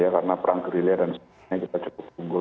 karena perang guerrilla dan sebagainya kita cukup unggul